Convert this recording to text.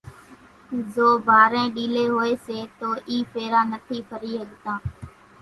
زو ڀارين ڏيلين ھوئي سي تو اِي ڦيرا نٿي ڦري ۿڳتان،